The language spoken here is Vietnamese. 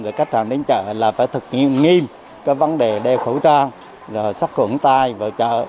và các trạm đến chợ là phải thực hiện nghiêm vấn đề đeo khẩu trang sắp khuẩn tay vào chợ